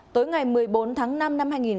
tối ngày một mươi bốn tháng năm năm hai nghìn hai mươi